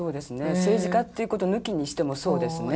政治家っていうことを抜きにしてもそうですね。